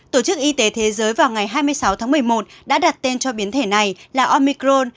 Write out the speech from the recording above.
tổ chức y tế thế giới vào ngày hai mươi sáu tháng một mươi một đã đặt tên cho biến thể này là omicron